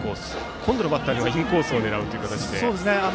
今度のバッターにはインコースを狙う形でした。